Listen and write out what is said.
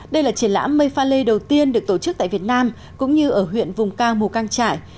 đây là triển lãm mây pha lê đầu tiên được tổ chức tại việt nam cũng như ở huyện vùng cao mù căng trải